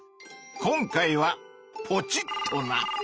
今回はポチッとな！